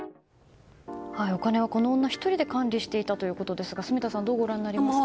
お金をこの女１人で管理していたということですが住田さん、どうご覧になりますか。